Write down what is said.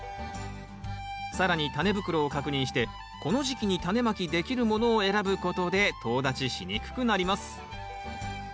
更にタネ袋を確認してこの時期にタネまきできるものを選ぶことでとう立ちしにくくなります。